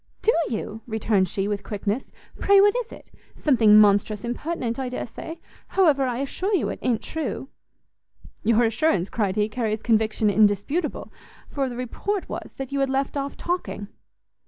"Do you?" returned she, with quickness, "pray what is it? something monstrous impertinent, I dare say, however, I assure you it i'n't true." "Your assurance," cried he, "carries conviction indisputable, for the report was that you had left off talking."